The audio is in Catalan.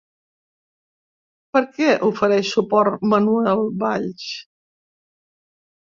Per què ofereix suport Manuel Valls?